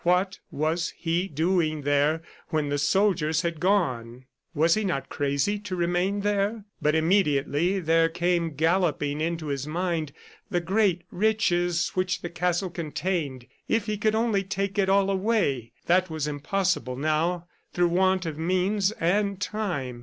What was he doing there when the soldiers had gone? Was he not crazy to remain there? ... But immediately there came galloping into his mind the great riches which the castle contained. If he could only take it all away! ... That was impossible now through want of means and time.